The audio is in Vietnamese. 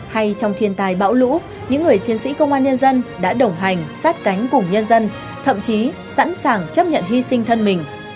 hay trong thiên tài bão lũ những người chiến sĩ công an nhân dân đã đồng hành sát cánh cùng nhân dân thậm chí sẵn sàng chấp nhận hy sinh thân mình